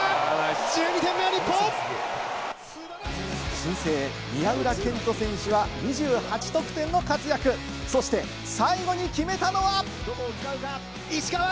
新星・宮浦健人選手は２８得点の活躍、そして最後に決めたのは。